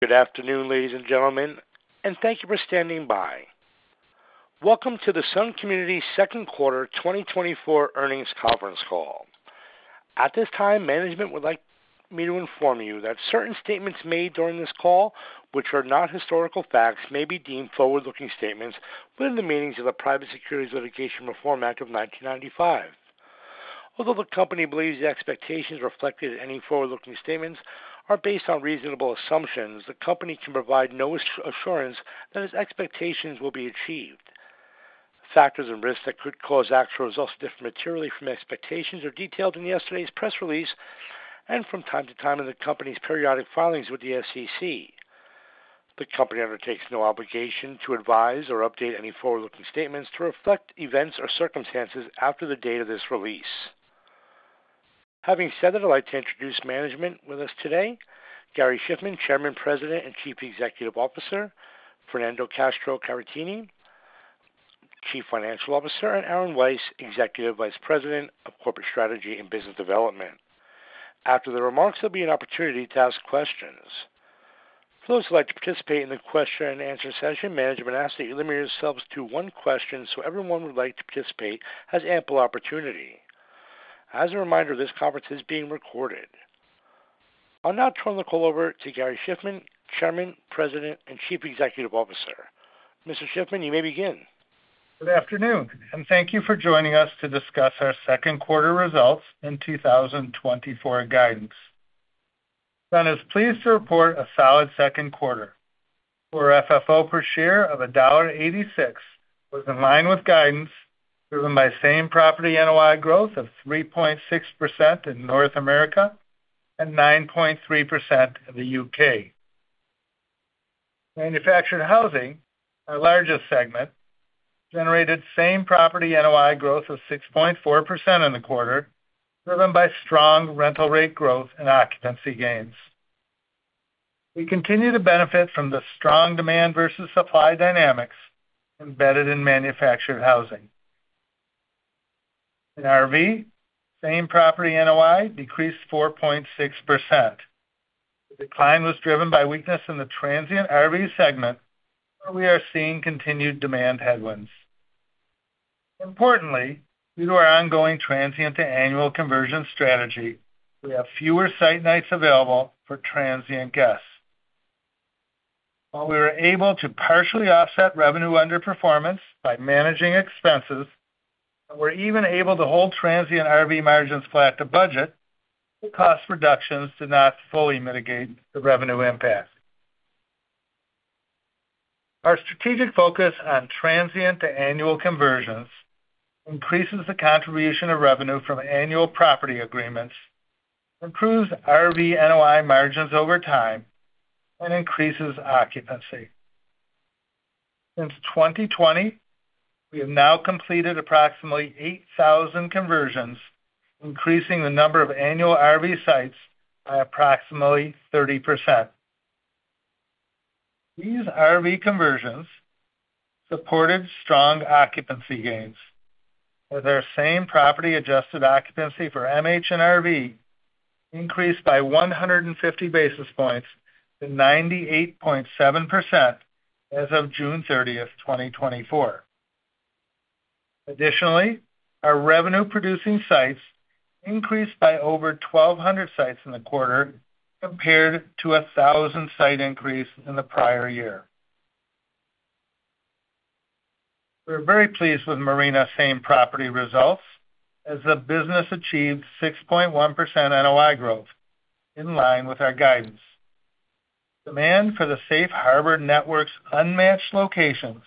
Good afternoon, ladies and gentlemen, and thank you for standing by. Welcome to the Sun Communities' second quarter 2024 earnings conference call. At this time, management would like me to inform you that certain statements made during this call, which are not historical facts, may be deemed forward-looking statements within the meanings of the Private Securities Litigation Reform Act of 1995. Although the company believes the expectations reflected in any forward-looking statements are based on reasonable assumptions, the company can provide no assurance that its expectations will be achieved. Factors and risks that could cause actual results to differ materially from expectations are detailed in yesterday's press release and from time to time in the company's periodic filings with the SEC. The company undertakes no obligation to advise or update any forward-looking statements to reflect events or circumstances after the date of this release. Having said that, I'd like to introduce management with us today: Gary Shiffman, Chairman, President, and Chief Executive Officer, Fernando Castro-Caratini, Chief Financial Officer, and Aaron Weiss, Executive Vice President of Corporate Strategy and Business Development. After the remarks, there'll be an opportunity to ask questions. For those who'd like to participate in the question-and-answer session, management asked that you limit yourselves to one question so everyone who would like to participate has ample opportunity. As a reminder, this conference is being recorded. I'll now turn the call over to Gary Shiffman, Chairman, President, and Chief Executive Officer. Mr. Shiffman, you may begin. Good afternoon, and thank you for joining us to discuss our second quarter results in 2024 guidance. I'm pleased to report a solid second quarter. Our FFO per share of $1.86 was in line with guidance, driven by same property NOI growth of 3.6% in North America and 9.3% in the UK. Manufactured housing, our largest segment, generated same property NOI growth of 6.4% in the quarter, driven by strong rental rate growth and occupancy gains. We continue to benefit from the strong demand versus supply dynamics embedded in manufactured housing. In RV, same property NOI decreased 4.6%. The decline was driven by weakness in the transient RV segment, where we are seeing continued demand headwinds. Importantly, due to our ongoing transient-to-annual conversion strategy, we have fewer site nights available for transient guests. While we were able to partially offset revenue underperformance by managing expenses, and we're even able to hold transient RV margins flat to budget, the cost reductions did not fully mitigate the revenue impact. Our strategic focus on transient-to-annual conversions increases the contribution of revenue from annual property agreements, improves RV NOI margins over time, and increases occupancy. Since 2020, we have now completed approximately 8,000 conversions, increasing the number of annual RV sites by approximately 30%. These RV conversions supported strong occupancy gains, with our same property-adjusted occupancy for MH and RV increased by 150 basis points to 98.7% as of June 30, 2024. Additionally, our revenue-producing sites increased by over 1,200 sites in the quarter, compared to a 1,000-site increase in the prior year. We're very pleased with marinas' same property results, as the business achieved 6.1% NOI growth, in line with our guidance. Demand for the Safe Harbor Network's unmatched locations,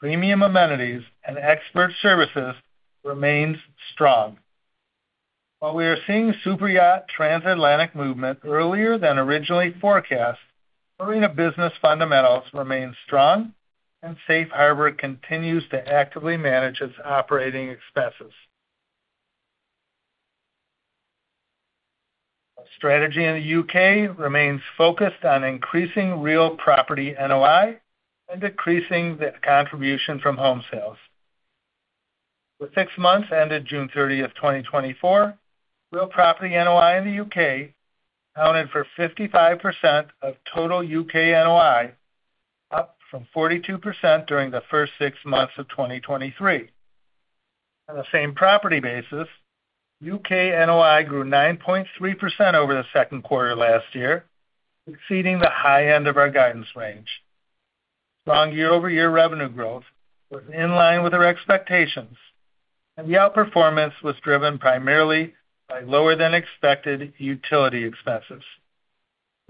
premium amenities, and expert services remains strong. While we are seeing superyacht transatlantic movement earlier than originally forecast, marina business fundamentals remain strong, and Safe Harbor continues to actively manage its operating expenses. Our strategy in the UK remains focused on increasing real property NOI and decreasing the contribution from home sales. With six months ended June 30, 2024, real property NOI in the UK accounted for 55% of total UK NOI, up from 42% during the first six months of 2023. On the same property basis, UK NOI grew 9.3% over the second quarter last year, exceeding the high end of our guidance range. Strong year-over-year revenue growth was in line with our expectations, and the outperformance was driven primarily by lower-than-expected utility expenses.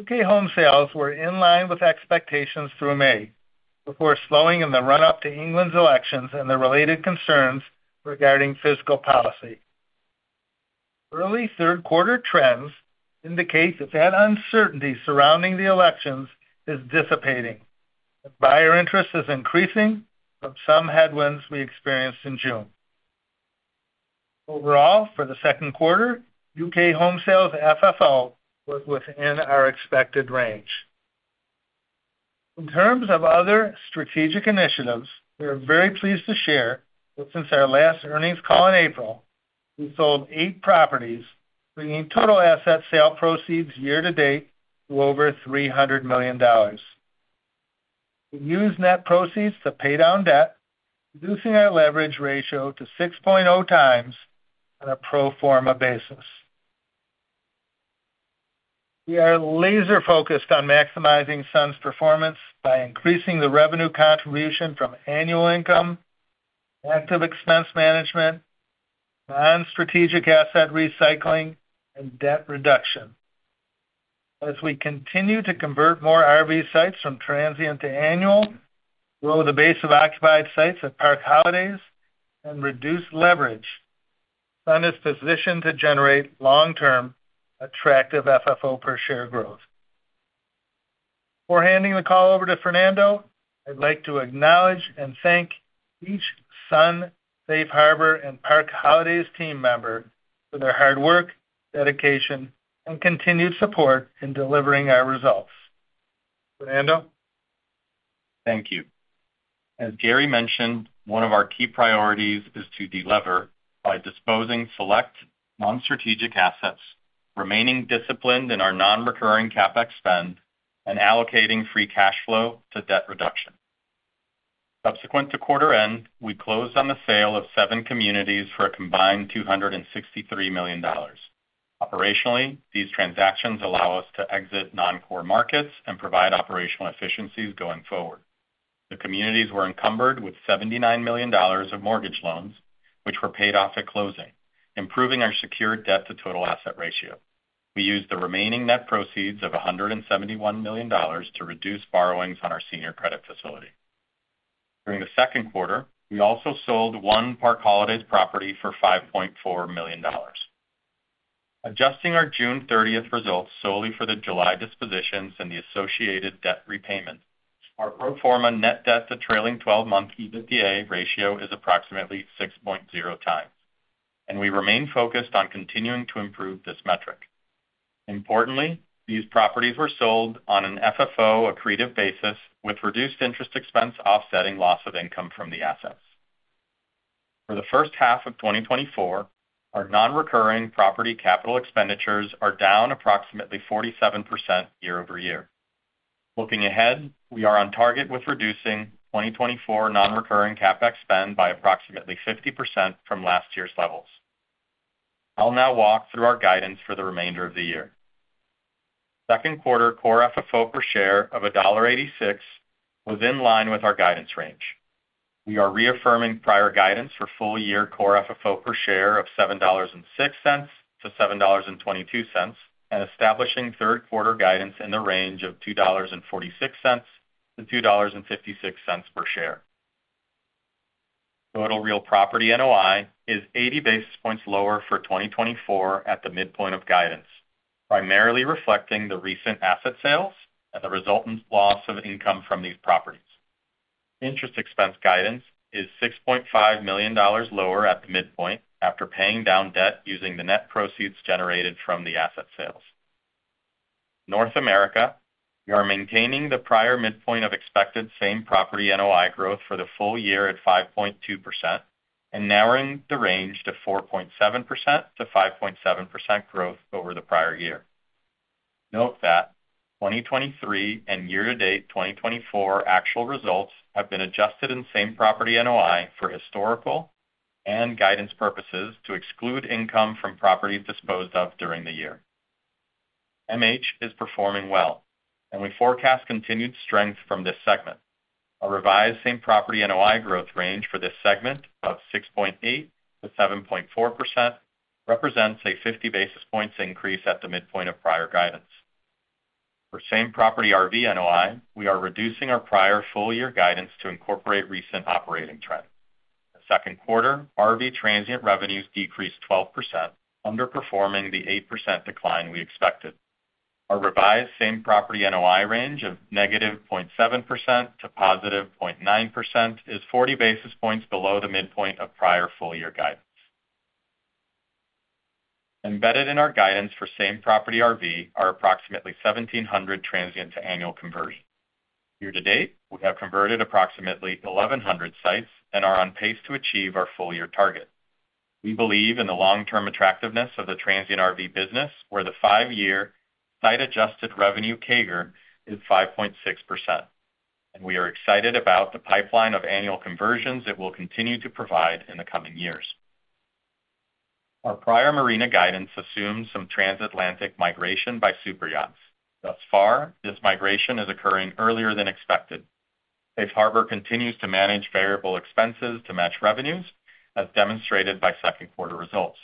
UK home sales were in line with expectations through May, before slowing in the run-up to England's elections and the related concerns regarding fiscal policy. Early third-quarter trends indicate that uncertainty surrounding the elections is dissipating, and buyer interest is increasing from some headwinds we experienced in June. Overall, for the second quarter, UK home sales FFO was within our expected range. In terms of other strategic initiatives, we are very pleased to share that since our last earnings call in April, we sold eight properties, bringing total asset sale proceeds year-to-date to over $300 million. We used net proceeds to pay down debt, reducing our leverage ratio to 6.0 times on a pro forma basis. We are laser-focused on maximizing Sun's performance by increasing the revenue contribution from annual income, active expense management, non-strategic asset recycling, and debt reduction. As we continue to convert more RV sites from transient to annual, grow the base of occupied sites at Park Holidays, and reduce leverage, Sun is positioned to generate long-term attractive FFO per share growth. Before handing the call over to Fernando, I'd like to acknowledge and thank each Sun, Safe Harbor, and Park Holidays team member for their hard work, dedication, and continued support in delivering our results. Fernando? Thank you. As Gary mentioned, one of our key priorities is to deliver by disposing of select non-strategic assets, remaining disciplined in our non-recurring CapEx spend, and allocating free cash flow to debt reduction. Subsequent to quarter end, we closed on the sale of seven communities for a combined $263 million. Operationally, these transactions allow us to exit non-core markets and provide operational efficiencies going forward. The communities were encumbered with $79 million of mortgage loans, which were paid off at closing, improving our secured debt-to-total asset ratio. We used the remaining net proceeds of $171 million to reduce borrowings on our senior credit facility. During the second quarter, we also sold one Park Holidays property for $5.4 million. Adjusting our June 30 results solely for the July dispositions and the associated debt repayment, our pro forma net debt-to-trailing 12-month EBITDA ratio is approximately 6.0 times, and we remain focused on continuing to improve this metric. Importantly, these properties were sold on an FFO accretive basis, with reduced interest expense offsetting loss of income from the assets. For the first half of 2024, our non-recurring property capital expenditures are down approximately 47% year-over-year. Looking ahead, we are on target with reducing 2024 non-recurring CapEx spend by approximately 50% from last year's levels. I'll now walk through our guidance for the remainder of the year. Second quarter core FFO per share of $1.86 was in line with our guidance range. We are reaffirming prior guidance for full-year core FFO per share of $7.06-$7.22 and establishing third-quarter guidance in the range of $2.46-$2.56 per share. Total real property NOI is 80 basis points lower for 2024 at the midpoint of guidance, primarily reflecting the recent asset sales and the resultant loss of income from these properties. Interest expense guidance is $6.5 million lower at the midpoint after paying down debt using the net proceeds generated from the asset sales. In North America, we are maintaining the prior midpoint of expected same property NOI growth for the full year at 5.2% and narrowing the range to 4.7%-5.7% growth over the prior year. Note that 2023 and year-to-date 2024 actual results have been adjusted in same property NOI for historical and guidance purposes to exclude income from properties disposed of during the year. MH is performing well, and we forecast continued strength from this segment. A revised same property NOI growth range for this segment of 6.8%-7.4% represents a 50 basis points increase at the midpoint of prior guidance. For same property RV NOI, we are reducing our prior full-year guidance to incorporate recent operating trends. The second quarter, RV transient revenues decreased 12%, underperforming the 8% decline we expected. Our revised same property NOI range of -0.7% to +0.9% is 40 basis points below the midpoint of prior full-year guidance. Embedded in our guidance for same property RV are approximately 1,700 transient-to-annual conversions. Year-to-date, we have converted approximately 1,100 sites and are on pace to achieve our full-year target. We believe in the long-term attractiveness of the transient RV business, where the five-year site-adjusted revenue CAGR is 5.6%, and we are excited about the pipeline of annual conversions it will continue to provide in the coming years. Our prior marina guidance assumed some transatlantic migration by superyachts. Thus far, this migration is occurring earlier than expected. Safe Harbor continues to manage variable expenses to match revenues, as demonstrated by second quarter results.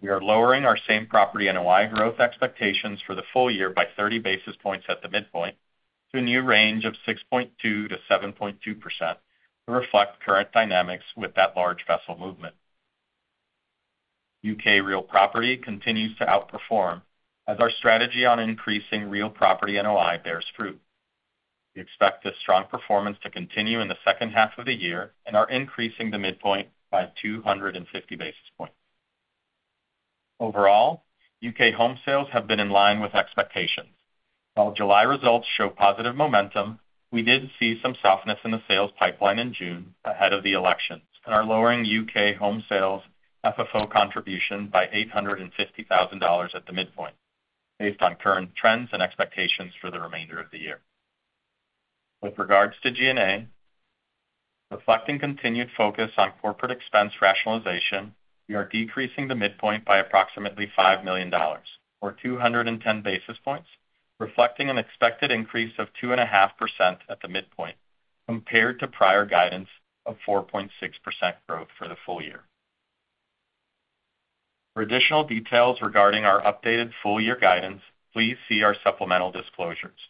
We are lowering our same property NOI growth expectations for the full year by 30 basis points at the midpoint to a new range of 6.2%-7.2% to reflect current dynamics with that large vessel movement. U.K. real property continues to outperform, as our strategy on increasing real property NOI bears fruit. We expect this strong performance to continue in the second half of the year and are increasing the midpoint by 250 basis points. Overall, U.K. home sales have been in line with expectations. While July results show positive momentum, we did see some softness in the sales pipeline in June ahead of the elections and are lowering UK home sales FFO contribution by $850,000 at the midpoint, based on current trends and expectations for the remainder of the year. With regards to G&A, reflecting continued focus on corporate expense rationalization, we are decreasing the midpoint by approximately $5 million, or 210 basis points, reflecting an expected increase of 2.5% at the midpoint, compared to prior guidance of 4.6% growth for the full year. For additional details regarding our updated full-year guidance, please see our supplemental disclosures.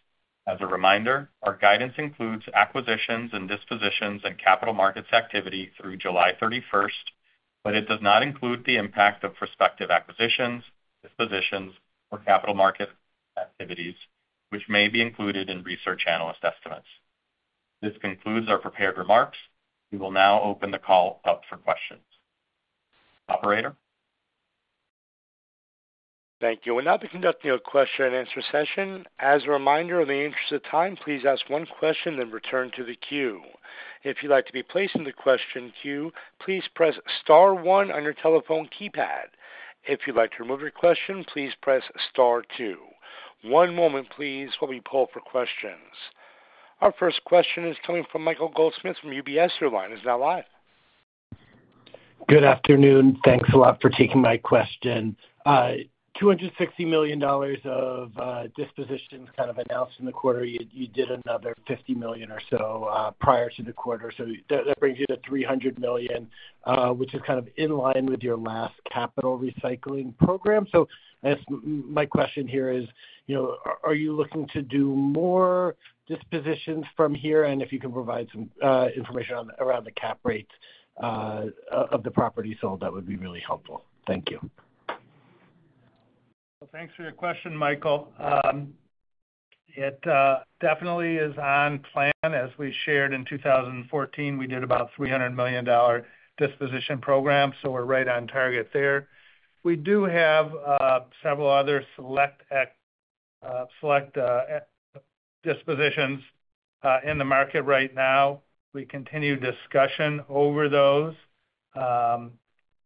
As a reminder, our guidance includes acquisitions and dispositions and capital markets activity through July 31, but it does not include the impact of prospective acquisitions, dispositions, or capital market activities, which may be included in research analyst estimates. This concludes our prepared remarks. We will now open the call up for questions. Operator? Thank you. We're now beginning the question and answer session. As a reminder, in the interest of time, please ask one question and then return to the queue. If you'd like to be placed in the question queue, please press Star 1 on your telephone keypad. If you'd like to remove your question, please press Star 2. One moment, please, while we pull up our questions. Our first question is coming from Michael Goldsmith from UBS. He's now live. Good afternoon. Thanks a lot for taking my question. $260 million of dispositions kind of announced in the quarter. You did another $50 million or so prior to the quarter. So that brings you to $300 million, which is kind of in line with your last capital recycling program. So my question here is, are you looking to do more dispositions from here? And if you can provide some information around the cap rates of the property sold, that would be really helpful. Thank you. Well, thanks for your question, Michael. It definitely is on plan. As we shared in 2014, we did about a $300 million disposition program, so we're right on target there. We do have several other select dispositions in the market right now. We continue discussion over those, and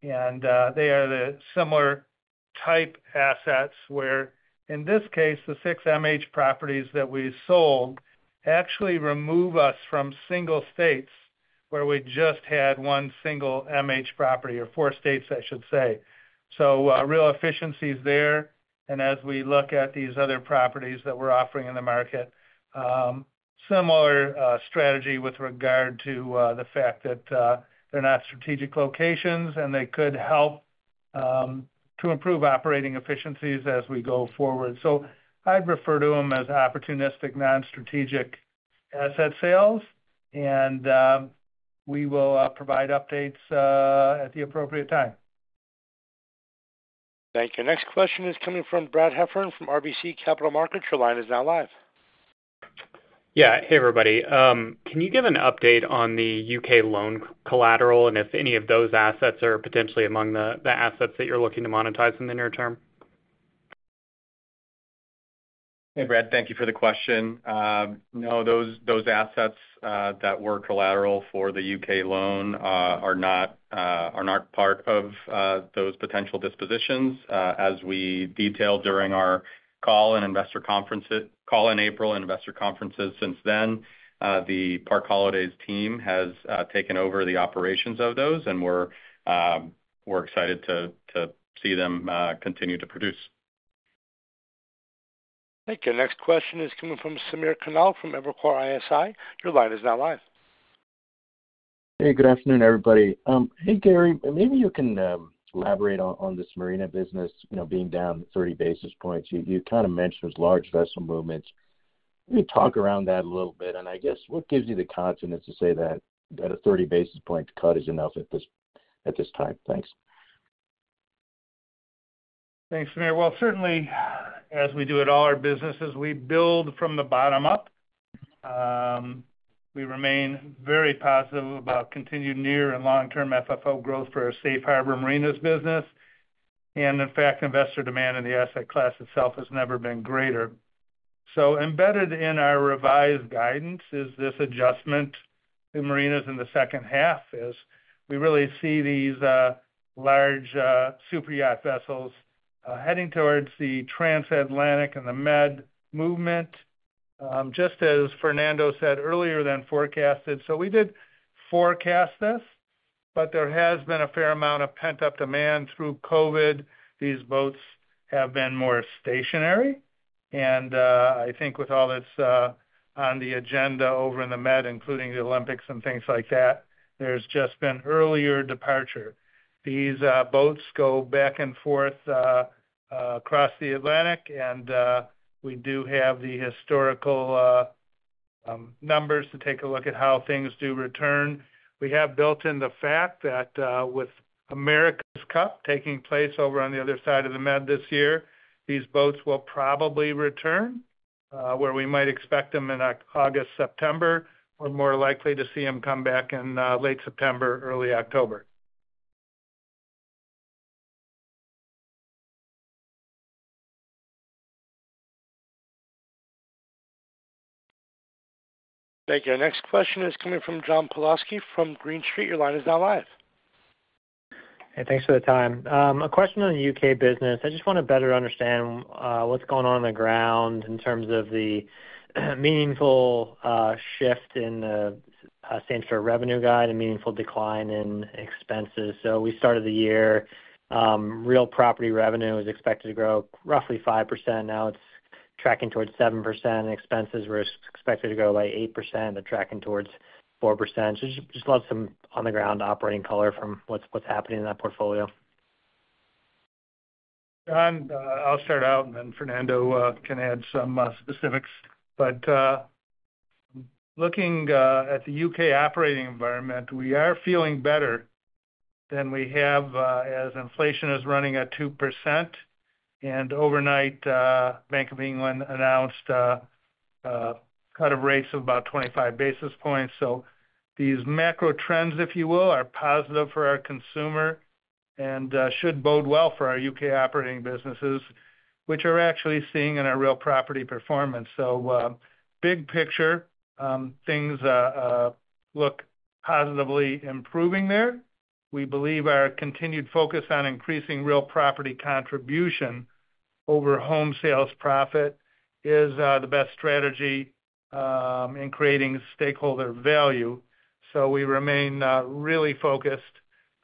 they are the similar type assets where, in this case, the 6 MH properties that we sold actually remove us from single states where we just had 1 single MH property, or 4 states, I should say. So real efficiencies there. And as we look at these other properties that we're offering in the market, similar strategy with regard to the fact that they're not strategic locations and they could help to improve operating efficiencies as we go forward. So I'd refer to them as opportunistic non-strategic asset sales, and we will provide updates at the appropriate time. Thank you. Next question is coming from Brad Heffern from RBC Capital Markets. Your line is now live. Yeah. Hey, everybody. Can you give an update on the U.K. loan collateral and if any of those assets are potentially among the assets that you're looking to monetize in the near term? Hey, Brad. Thank you for the question. No, those assets that were collateral for the UK loan are not part of those potential dispositions. As we detailed during our call and investor conference call in April and investor conferences since then, the Park Holidays team has taken over the operations of those, and we're excited to see them continue to produce. Thank you. Next question is coming from Samir Khanal from Evercore ISI. Your line is now live. Hey, good afternoon, everybody. Hey, Gary, maybe you can elaborate on this marina business being down 30 basis points. You kind of mentioned those large vessel movements. Can you talk around that a little bit? And I guess, what gives you the confidence to say that a 30 basis point cut is enough at this time? Thanks. Thanks, Samir. Well, certainly, as we do at all our businesses, we build from the bottom up. We remain very positive about continued near- and long-term FFO growth for our Safe Harbor Marinas business. And in fact, investor demand in the asset class itself has never been greater. So embedded in our revised guidance is this adjustment to Marinas in the second half, as we really see these large superyacht vessels heading towards the transatlantic and the Med movement, just as Fernando said earlier than forecasted. So we did forecast this, but there has been a fair amount of pent-up demand through COVID. These boats have been more stationary. And I think with all that's on the agenda over in the Med, including the Olympics and things like that, there's just been earlier departure. These boats go back and forth across the Atlantic, and we do have the historical numbers to take a look at how things do return. We have built in the fact that with America's Cup taking place over on the other side of the Med this year, these boats will probably return, where we might expect them in August, September, or more likely to see them come back in late September, early October. Thank you. Next question is coming from John Pawlowski from Green Street. Your line is now live. Hey, thanks for the time. A question on the UK business. I just want to better understand what's going on on the ground in terms of the meaningful shift in the same-store revenue guide and meaningful decline in expenses. So we started the year, real property revenue was expected to grow roughly 5%. Now it's tracking towards 7%. Expenses were expected to grow by 8%. They're tracking towards 4%. So I'd love some on-the-ground operating color from what's happening in that portfolio. John, I'll start out, and then Fernando can add some specifics. But looking at the U.K. operating environment, we are feeling better than we have as inflation is running at 2%. Overnight, Bank of England announced a cut of rates of about 25 basis points. So these macro trends, if you will, are positive for our consumer and should bode well for our U.K. operating businesses, which are actually seeing in our real property performance. So big picture, things look positively improving there. We believe our continued focus on increasing real property contribution over home sales profit is the best strategy in creating stakeholder value. So we remain really focused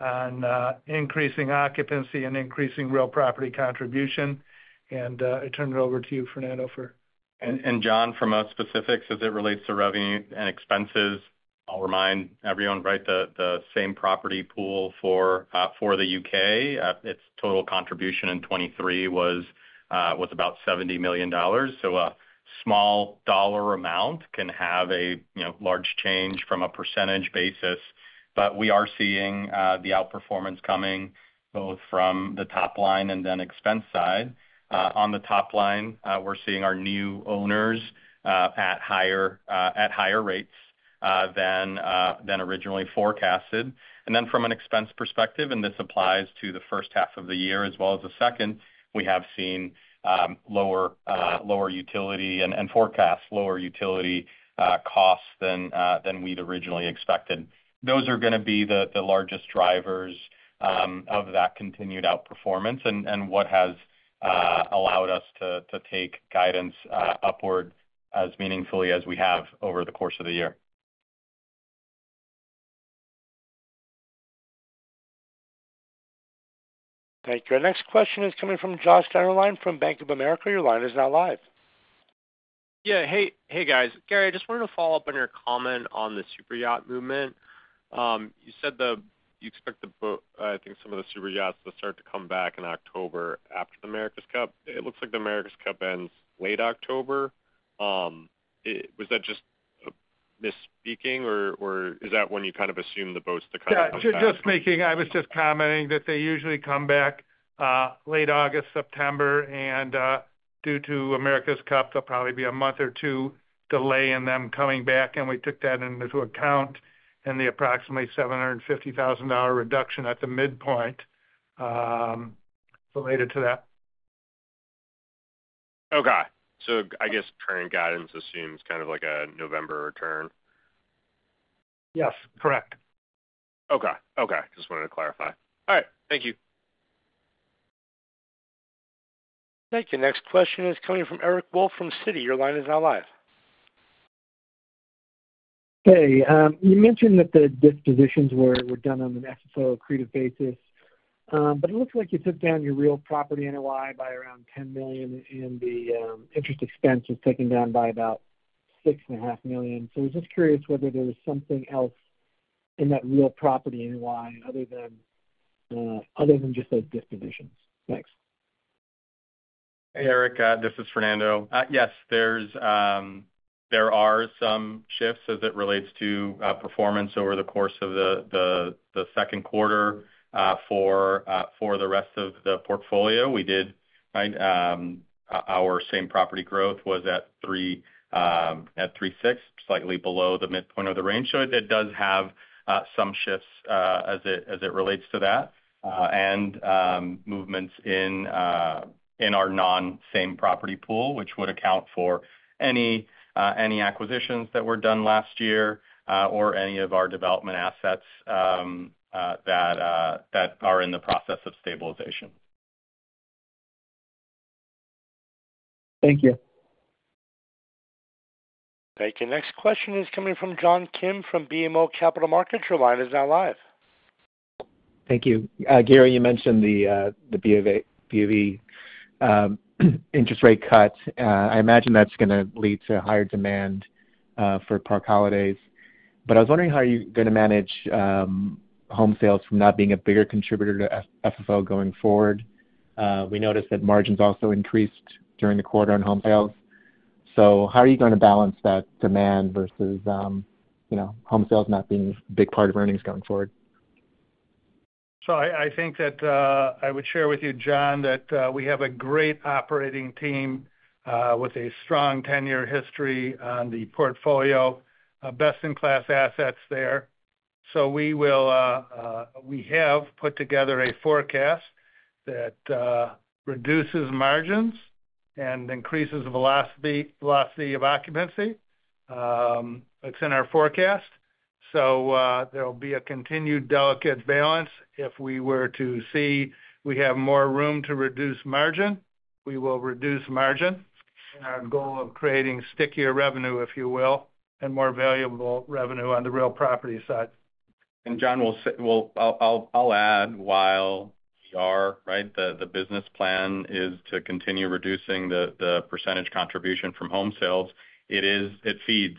on increasing occupancy and increasing real property contribution. I turn it over to you, Fernando, for. And John, for most specifics, as it relates to revenue and expenses, I'll remind everyone, right, the same property pool for the UK, its total contribution in 2023 was about $70 million. So a small dollar amount can have a large change from a percentage basis. But we are seeing the outperformance coming both from the top line and then expense side. On the top line, we're seeing our new owners at higher rates than originally forecasted. And then from an expense perspective, and this applies to the first half of the year as well as the second, we have seen lower utility and forecast lower utility costs than we'd originally expected. Those are going to be the largest drivers of that continued outperformance and what has allowed us to take guidance upward as meaningfully as we have over the course of the year. Thank you. Our next question is coming from Josh Dennerlein from Bank of America. Your line is now live. Yeah. Hey, guys. Gary, I just wanted to follow up on your comment on the superyacht movement. You said you expect the, I think, some of the superyachts to start to come back in October after the America's Cup. It looks like the America's Cup ends late October. Was that just misspeaking, or is that when you kind of assumed the boats to kind of come back? Yeah, just speaking, I was just commenting that they usually come back late August, September. Due to America's Cup, there'll probably be a month or two delay in them coming back. We took that into account and the approximately $750,000 reduction at the midpoint related to that. Okay. So I guess current guidance assumes kind of like a November return? Yes, correct. Okay. Okay. Just wanted to clarify. All right. Thank you. Thank you. Next question is coming from Eric Wolfe from Citi. Your line is now live. Hey. You mentioned that the dispositions were done on an FFO accretive basis, but it looks like you took down your real property NOI by around $10 million, and the interest expense was taken down by about $6.5 million. So I was just curious whether there was something else in that real property NOI other than just those dispositions. Thanks. Hey, Eric. This is Fernando. Yes, there are some shifts as it relates to performance over the course of the second quarter for the rest of the portfolio. We did, right, our same property growth was at 3.6, slightly below the midpoint of the range. So it does have some shifts as it relates to that and movements in our non-same property pool, which would account for any acquisitions that were done last year or any of our development assets that are in the process of stabilization. Thank you. Thank you. Next question is coming from John Kim from BMO Capital Markets. Your line is now live. Thank you. Gary, you mentioned the BoE interest rate cut. I imagine that's going to lead to higher demand for Park Holidays. But I was wondering how are you going to manage home sales from not being a bigger contributor to FFO going forward? We noticed that margins also increased during the quarter on home sales. So how are you going to balance that demand versus home sales not being a big part of earnings going forward? So I think that I would share with you, John, that we have a great operating team with a strong 10-year history on the portfolio, best-in-class assets there. So we have put together a forecast that reduces margins and increases velocity of occupancy. It's in our forecast. So there will be a continued delicate balance. If we were to see we have more room to reduce margin, we will reduce margin in our goal of creating stickier revenue, if you will, and more valuable revenue on the real property side. And John, I'll add while we are, right, the business plan is to continue reducing the percentage contribution from home sales. It feeds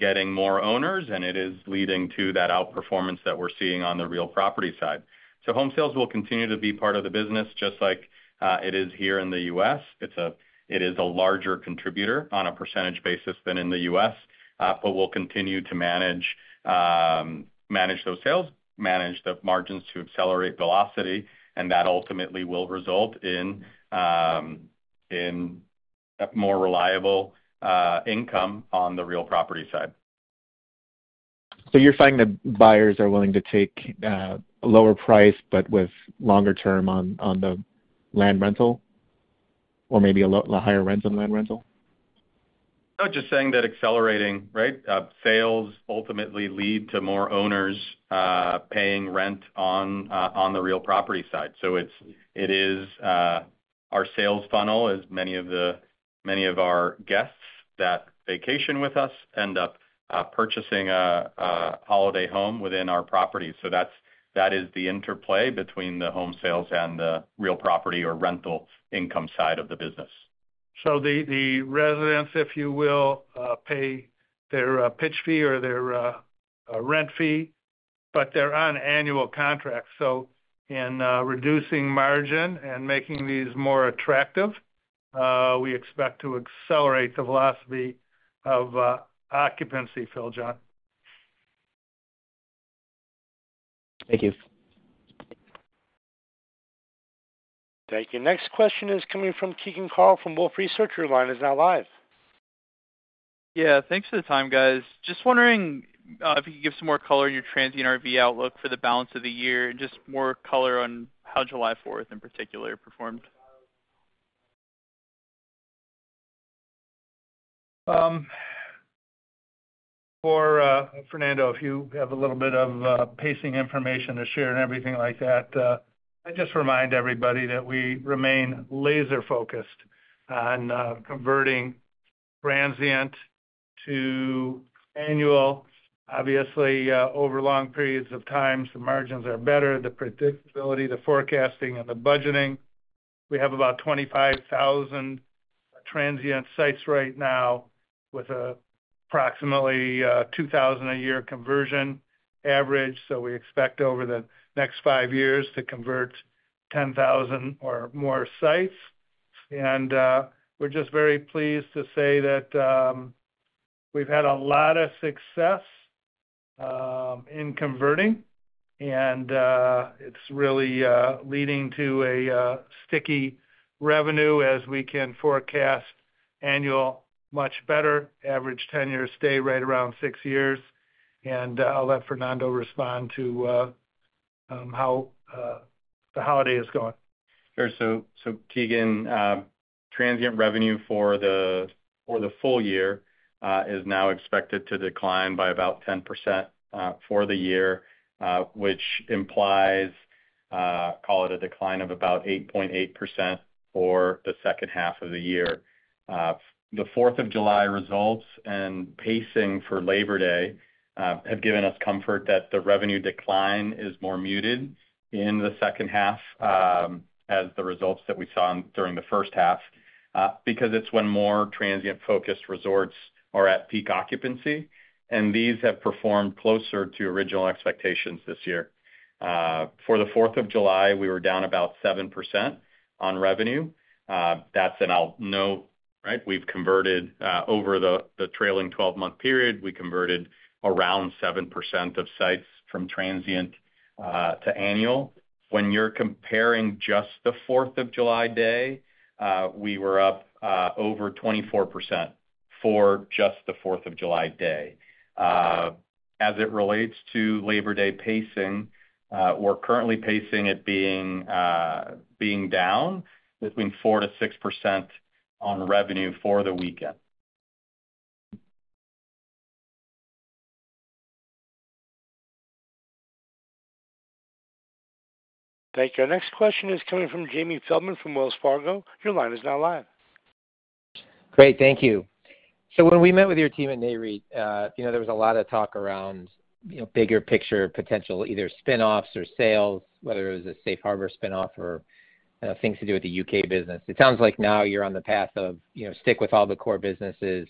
getting more owners, and it is leading to that outperformance that we're seeing on the real property side. So home sales will continue to be part of the business just like it is here in the U.S. It is a larger contributor on a percentage basis than in the U.S., but we'll continue to manage those sales, manage the margins to accelerate velocity, and that ultimately will result in more reliable income on the real property side. So you're saying that buyers are willing to take a lower price, but with longer term on the land rental or maybe a higher rent on land rental? No, just saying that accelerating, right, sales ultimately lead to more owners paying rent on the real property side. So it is our sales funnel, as many of our guests that vacation with us end up purchasing a holiday home within our property. So that is the interplay between the home sales and the real property or rental income side of the business. So the residents, if you will, pay their pitch fee or their rent fee, but they're on annual contracts. So in reducing margin and making these more attractive, we expect to accelerate the velocity of occupancy, Phil, John. Thank you. Thank you. Next question is coming from Keegan Carl from Wolfe Research. Your line is now live. Yeah. Thanks for the time, guys. Just wondering if you could give some more color on your transient RV outlook for the balance of the year and just more color on how July 4th in particular performed. For Fernando, if you have a little bit of pacing information to share and everything like that, I just remind everybody that we remain laser-focused on converting transient to annual. Obviously, over long periods of time, the margins are better, the predictability, the forecasting, and the budgeting. We have about 25,000 transient sites right now with approximately 2,000 a year conversion average. So we expect over the next 5 years to convert 10,000 or more sites. And we're just very pleased to say that we've had a lot of success in converting, and it's really leading to a sticky revenue as we can forecast annual much better, average 10-year stay right around 6 years. And I'll let Fernando respond to how the holiday is going. Sure. So Keegan, transient revenue for the full year is now expected to decline by about 10% for the year, which implies, call it a decline of about 8.8% for the second half of the year. The 4th of July results and pacing for Labor Day have given us comfort that the revenue decline is more muted in the second half as the results that we saw during the first half because it's when more transient-focused resorts are at peak occupancy. And these have performed closer to original expectations this year. For the 4th of July, we were down about 7% on revenue. That's an, I'll note, right, we've converted over the trailing 12-month period, we converted around 7% of sites from transient to annual. When you're comparing just the 4th of July day, we were up over 24% for just the 4th of July day. As it relates to Labor Day pacing, we're currently pacing it being down between 4%-6% on revenue for the weekend. Thank you. Our next question is coming from Jamie Feldman from Wells Fargo. Your line is now live. Great. Thank you. So when we met with your team at Nareit, there was a lot of talk around bigger picture potential, either spinoffs or sales, whether it was a Safe Harbor spinoff or things to do with the UK business. It sounds like now you're on the path to stick with all the core businesses,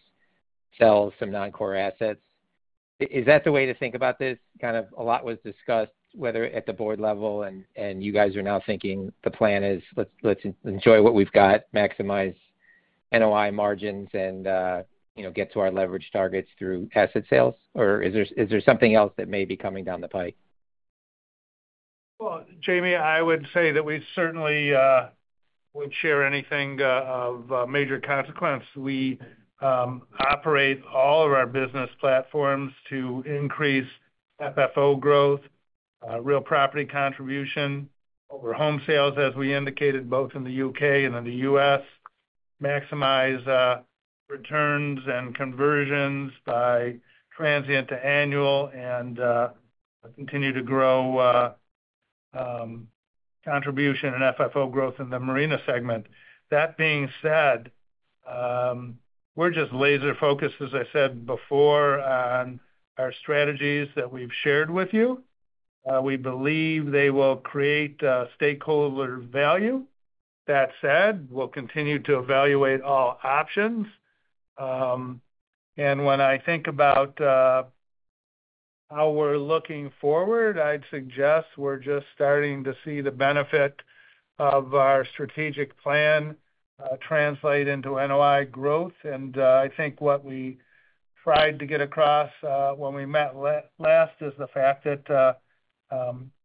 sell some non-core assets. Is that the way to think about this? Kind of a lot was discussed at the board level, and you guys are now thinking the plan is let's enjoy what we've got, maximize NOI margins, and get to our leverage targets through asset sales. Or is there something else that may be coming down the pike? Well, Jamie, I would say that we certainly would share anything of major consequence. We operate all of our business platforms to increase FFO growth, real property contribution over home sales, as we indicated both in the U.K. and in the U.S., maximize returns and conversions by transient to annual, and continue to grow contribution and FFO growth in the marina segment. That being said, we're just laser-focused, as I said before, on our strategies that we've shared with you. We believe they will create stakeholder value. That said, we'll continue to evaluate all options. And when I think about how we're looking forward, I'd suggest we're just starting to see the benefit of our strategic plan translate into NOI growth. I think what we tried to get across when we met last is the fact that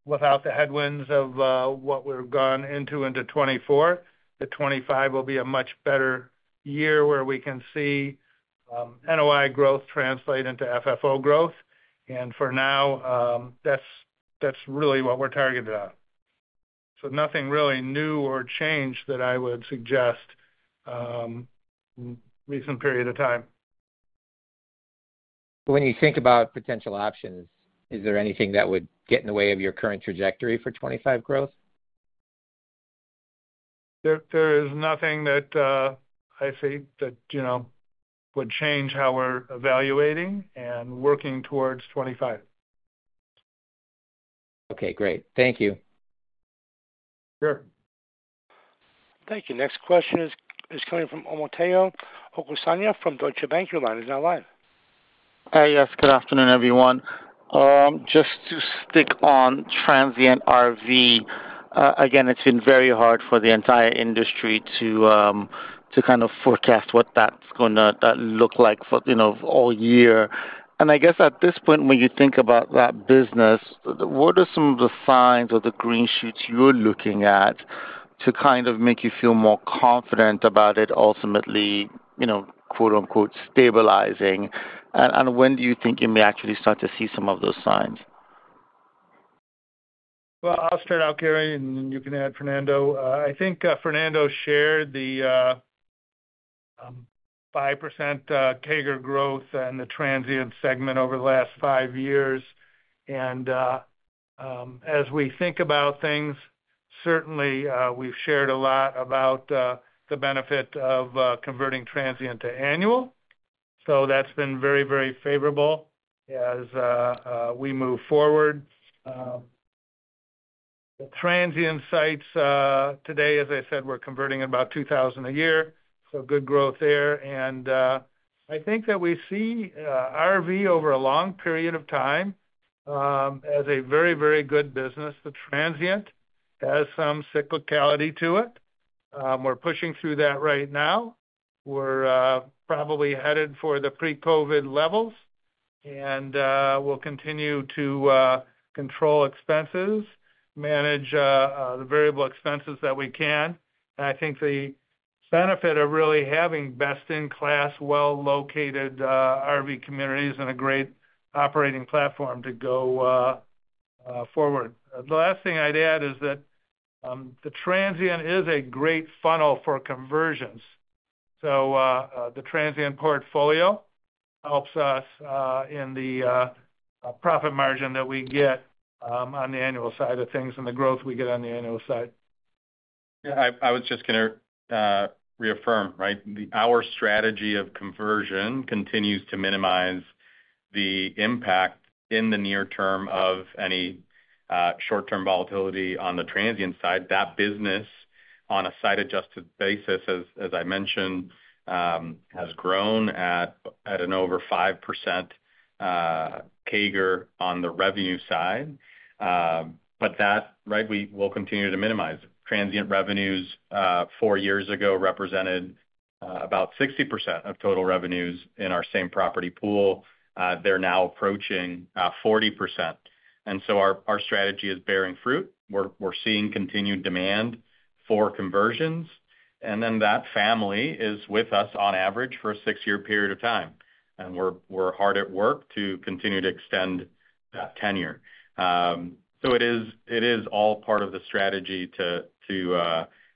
without the headwinds of what we've gone into 2024, that 2025 will be a much better year where we can see NOI growth translate into FFO growth. For now, that's really what we're targeted on. Nothing really new or changed that I would suggest in a recent period of time. When you think about potential options, is there anything that would get in the way of your current trajectory for 2025 growth? There is nothing that I see that would change how we're evaluating and working towards 2025. Okay. Great. Thank you. Sure. Thank you. Next question is coming from Omotayo Okusanya from Deutsche Bank. Your line is now live. Hey, yes. Good afternoon, everyone. Just to stick on Transient RV. Again, it's been very hard for the entire industry to kind of forecast what that's going to look like for all year. I guess at this point, when you think about that business, what are some of the signs or the green shoots you're looking at to kind of make you feel more confident about it ultimately, quote-unquote, "stabilizing"? And when do you think you may actually start to see some of those signs? Well, I'll start out, Gary, and then you can add Fernando. I think Fernando shared the 5% CAGR growth and the transient segment over the last five years. And as we think about things, certainly, we've shared a lot about the benefit of converting transient to annual. So that's been very, very favorable as we move forward. The transient sites today, as I said, we're converting at about 2,000 a year. So good growth there. And I think that we see RV over a long period of time as a very, very good business. The transient has some cyclicality to it. We're pushing through that right now. We're probably headed for the pre-COVID levels, and we'll continue to control expenses, manage the variable expenses that we can. And I think the benefit of really having best-in-class, well-located RV communities and a great operating platform to go forward. The last thing I'd add is that the transient is a great funnel for conversions. So the transient portfolio helps us in the profit margin that we get on the annual side of things and the growth we get on the annual side. Yeah. I was just going to reaffirm, right, our strategy of conversion continues to minimize the impact in the near term of any short-term volatility on the transient side. That business, on a site-adjusted basis, as I mentioned, has grown at an over 5% CAGR on the revenue side. But that, right, we will continue to minimize. Transient revenues 4 years ago represented about 60% of total revenues in our same property pool. They're now approaching 40%. And so our strategy is bearing fruit. We're seeing continued demand for conversions. And then that family is with us on average for a 6-year period of time. And we're hard at work to continue to extend that tenure. So it is all part of the strategy to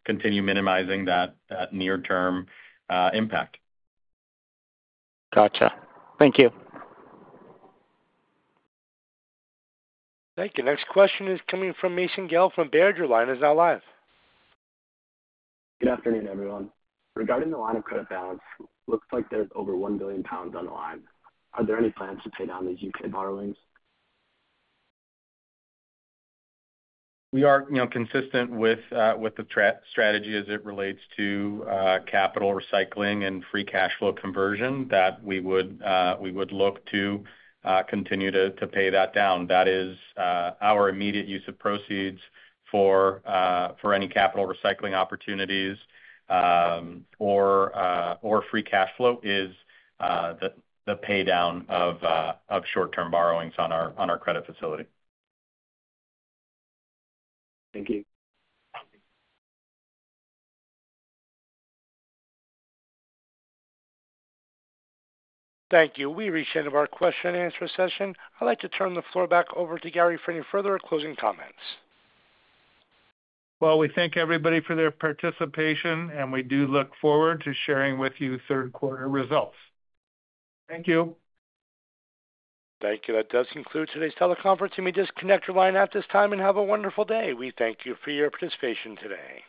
continue minimizing that near-term impact. Gotcha. Thank you. Thank you. Next question is coming from Mason Gill from Baird. Your line is now live. Good afternoon, everyone. Regarding the line of credit balance, looks like there's over 1 billion pounds on the line. Are there any plans to pay down these UK borrowings? We are consistent with the strategy as it relates to capital recycling and free cash flow conversion, that we would look to continue to pay that down. That is our immediate use of proceeds for any capital recycling opportunities or free cash flow, is the paydown of short-term borrowings on our credit facility. Thank you. Thank you. We reached the end of our question-and-answer session. I'd like to turn the floor back over to Gary for any further closing comments. Well, we thank everybody for their participation, and we do look forward to sharing with you third-quarter results. Thank you. Thank you. That does conclude today's teleconference. You may disconnect your line at this time and have a wonderful day. We thank you for your participation today.